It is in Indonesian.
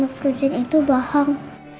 kok tante prusin itu bohong